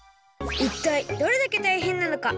いったいどれだけたいへんなのか？